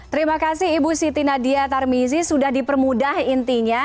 terima kasih ibu siti nadia tarmizi sudah dipermudah intinya